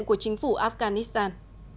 của chính phủ afghanistan